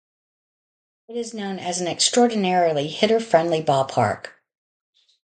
It is known as an extraordinarily hitter-friendly ballpark.